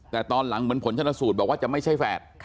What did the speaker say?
แต่ตอนหลังเหมือนผลชนสูตรบอกว่าจะไม่ใช่แฝด